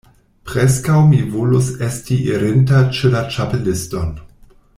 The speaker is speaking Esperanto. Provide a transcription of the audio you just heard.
Preskaŭ mi volus esti irinta ĉe la Ĉapeliston.